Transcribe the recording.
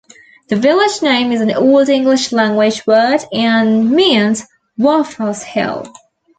The village name is an Old English language word, and means 'Wafa's hill'.